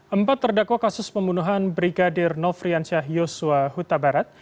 empat terdakwa kasus pembunuhan brigadir nofriansyah yosua huta barat